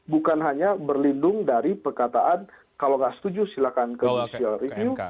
bukan hanya berlindung dari perkataan kalau nggak setuju silahkan ke judicial review